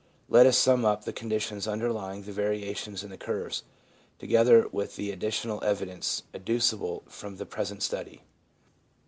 Let us sum up the conditions underlying the varia tions in the curves, together with the additional evidence adduceable from the present study.